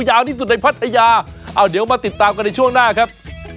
ยาวที่สุดในพัทยาเอาเดี๋ยวมาติดตามกันในช่วงหน้าครับ